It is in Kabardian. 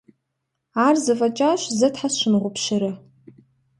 Ар зэфӏэкӏащ, зэ тхьэ сщымыгъупщэрэ?